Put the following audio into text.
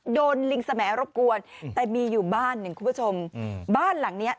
โดนลิงสแหมรบกวนแต่มีอยู่บ้านอย่างคุณผู้ชมบ้านหลังเนี้ย